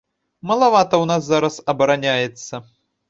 Малавата ў нас зараз абараняецца.